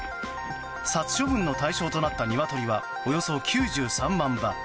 殺処分の対象となったニワトリはおよそ９３万羽。